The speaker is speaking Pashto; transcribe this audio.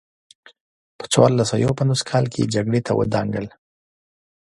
په یو پنځوس او څلور سوه کال کې یې جګړې ته ودانګل